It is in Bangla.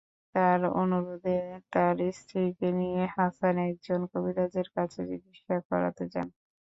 তাঁর অনুরোধে তাঁর স্ত্রীকে নিয়ে হাসান একজন কবিরাজের কাছে চিকিৎসা করাতে যান।